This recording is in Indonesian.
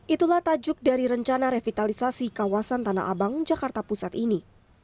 itulah tajuk dari rencana revitalisasi kawasan tanah abang jakarta pusat ini